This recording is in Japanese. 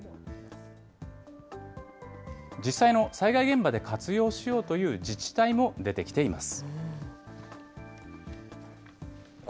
実際の災害現場で活用しようという自治体も出てきています。